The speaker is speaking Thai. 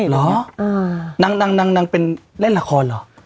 เหรอนางเป็นเล่นละครเหรอ